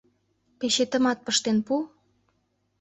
Печетымак пыштен пу...